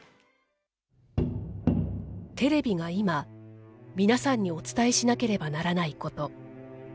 テレビが今、皆さんにお伝えしなければならないこと。